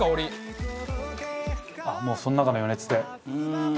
もうその中の余熱で。